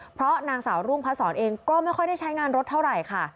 เพราะนางสาวรุ่งพระศรเองก็ไม่ค่อยได้ใช้งานรถเท่าไหร่ค่ะ